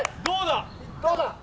どうだ？